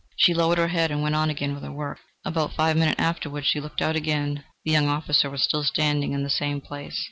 She lowered her head and went on again with her work. About five minutes afterwards she looked out again the young officer was still standing in the same place.